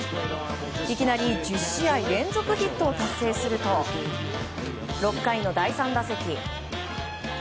いきなり１０試合連続ヒットを達成すると６回の第３打席。